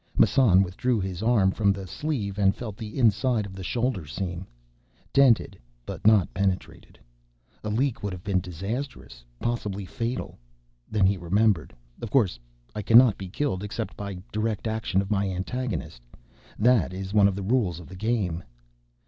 Massan withdrew his arm from the sleeve and felt the inside of the shoulder seam. Dented, but not penetrated. A leak would have been disastrous, possibly fatal. Then he remembered: _Of course—I cannot be killed except by direct action of my antagonist. That is one of the rules of the game.